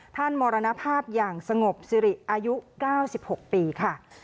ท่านมรณภาพอย่างสงบสิริอายุเก้าสิบหกปีค่ะ